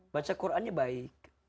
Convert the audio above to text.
baca qurannya baik